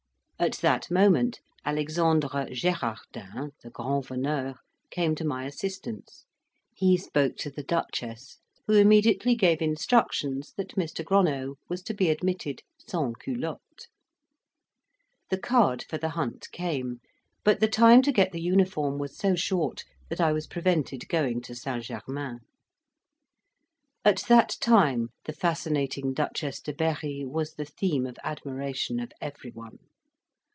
At that moment Alexandre Gerardin, the grand veneur, came to my assistance; he spoke to the Duchess, who immediately gave instructions that Mr. Gronow was to be admitted "sans culottes." The card for the hunt came; but the time to get the uniform was so short, that I was prevented going to St. Germain. At that time the fascinating Duchess de Berri was the theme of admiration of everyone.